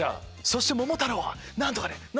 そして桃太郎は何とかで！